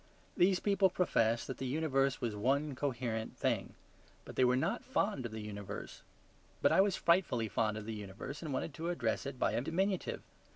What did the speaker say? These people professed that the universe was one coherent thing; but they were not fond of the universe. But I was frightfully fond of the universe and wanted to address it by a diminutive.